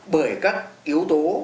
bởi các yếu tố